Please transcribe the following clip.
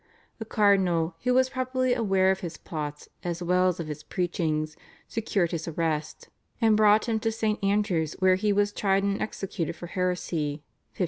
The cardinal, who was probably aware of his plots as well as of his preachings, secured his arrest, and brought him to St. Andrew's, where he was tried and executed for heresy (1546).